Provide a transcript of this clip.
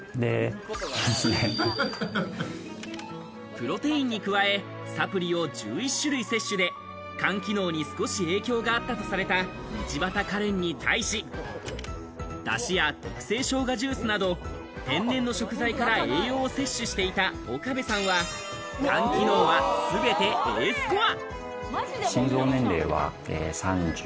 プロテインに加え、サプリを１１種類摂取で肝機能に少し影響があったとされた道端カレンに対し、ダシや特製ショウガジュースなど天然の食材から栄養を摂取していた岡部さんは、肝機能は全てＡスコア。